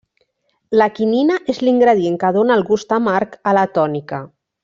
La quinina és l'ingredient que dóna el gust amarg a la tònica.